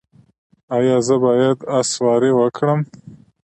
ایا زه باید اس سواري وکړم؟